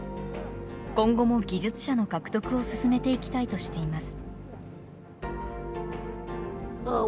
今後も技術者の獲得を進めていきたいとしています。